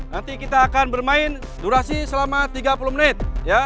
nanti kita akan bermain durasi selama tiga puluh menit